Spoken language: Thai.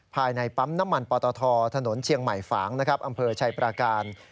ภายในปั๊มน้ำมันปตทถนนเชียงใหม่ฝางนะครับอำเภอชัยปราการ